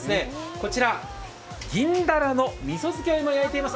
こちら銀だらのみそ漬けを焼いています。